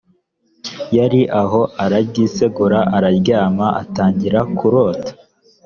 yari aho araryisegura araryama a atangira kurota